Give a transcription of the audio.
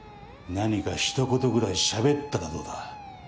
何か一言ぐらいしゃべったらどうだ？